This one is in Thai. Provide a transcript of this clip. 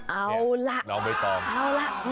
เอาล่ะเอาล่ะ